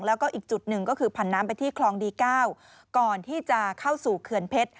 แล้วก็อีกจุดหนึ่งก็คือผันน้ำไปที่คลองดี๙ก่อนที่จะเข้าสู่เขื่อนเพชร